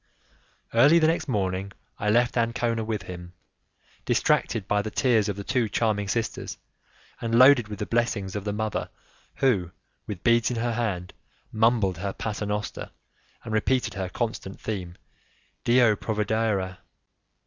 Early the next morning I left Ancona with him, distracted by the tears of the two charming sisters and loaded with the blessings of the mother who, with beads in hand, mumbled her 'paternoster', and repeated her constant theme: 'Dio provedera'.